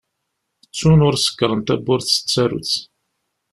Ttun ur sekkṛen tawwurt s tsarut.